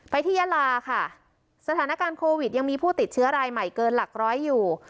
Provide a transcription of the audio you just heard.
ที่ยาลาค่ะสถานการณ์โควิดยังมีผู้ติดเชื้อรายใหม่เกินหลักร้อยอยู่